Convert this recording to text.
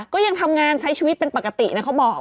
ก็ยังทำงานใช้ชีวิตเป็นปกตินะเขาบอก